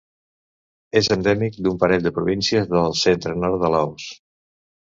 És endèmic d'un parell de províncies del centre-nord de Laos.